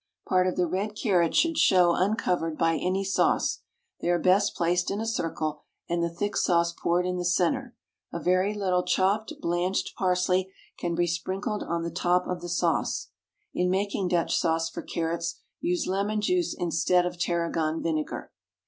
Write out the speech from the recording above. Part of the red carrot should show uncovered by any sauce. They are best placed in a circle and the thick sauce poured in the centre; a very little chopped blanched parsley can be sprinkled on the top of the sauce. In making Dutch sauce for carrots use lemon juice instead of tarragon vinegar.